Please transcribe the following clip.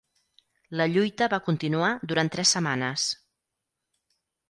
La lluita va continuar durant tres setmanes.